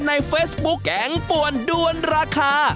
ในเฟซบุ๊กแกงป่วนด้วนราคา